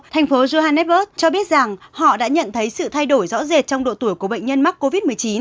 thành phố johannesburg cho biết rằng họ đã nhận thấy sự thay đổi rõ rệt trong độ tuổi của bệnh nhân mắc covid một mươi chín